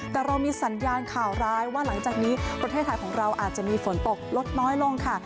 แต่เรามีสัญญาณข่าวร้ายว่าหลังจากนี้ประเทศไทยของเราอาจจะมีฝนตกลดน้อยลงค่ะ